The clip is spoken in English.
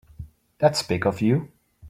That's big of you.